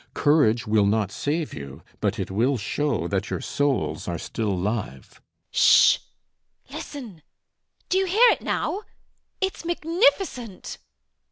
Courage will not save you; but it will show that your souls are still live. MRS HUSHABYE. Sh sh! Listen: do you hear it now? It's magnificent.